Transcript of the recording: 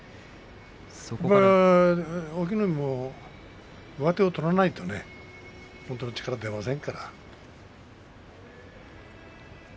隠岐の海は上手を取らないと力が出ません。